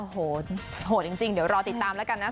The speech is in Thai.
โหจริงเดี๋ยวรอติดตามแล้วกันนะ